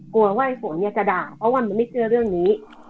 กลัวว่าฝนจะด่าเพราะว่ามันไม่เชื่อเรื่องนี้